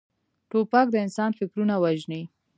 توپک د انسان فکرونه وژني.